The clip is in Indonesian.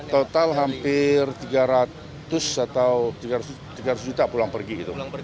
total hampir tiga ratus atau tiga ratus juta pulang pergi